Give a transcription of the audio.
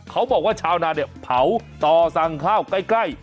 เขาบอกว่าชาวนาเนี่ยเผาต่อสั่งข้าวใกล้ใกล้